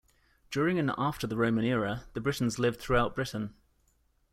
During and after the Roman era, the Britons lived throughout Britain.